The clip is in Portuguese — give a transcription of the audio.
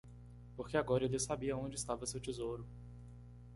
Porque agora ele sabia onde estava seu tesouro.